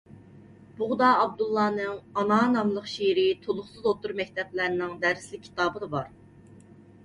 بۇغدا ئابدۇللانىڭ «ئانا» ناملىق شېئىرى تولۇقسىز ئوتتۇرا مەكتەپلەرنىڭ دەرسلىك كىتابىدا بار.